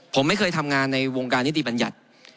ผมไม่เคยทำงานในวงการนิติบัญญัติ